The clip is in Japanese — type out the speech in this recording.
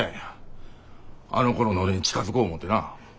あのころの俺に近づこう思てな。